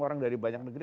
orang dari banyak negeri